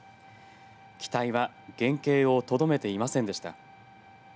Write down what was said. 機体は原形をとどめていませんでした。